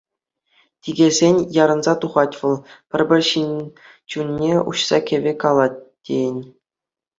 Тикӗссӗн, ярӑнса тухать вӑл, пӗр-пӗр ҫын чунне уҫса кӗвӗ калать тейӗн.